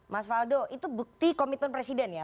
mas faldo itu bukti komitmen presiden ya